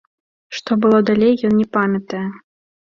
Што было далей, ён не памятае.